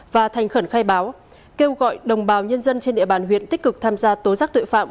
và thành khẩn khai báo kêu gọi đồng bào nhân dân trên địa bàn huyện tích cực tham gia tố giác tội phạm